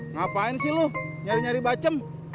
ngapain sih lo nyari nyari bacem